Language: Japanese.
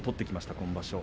今場所。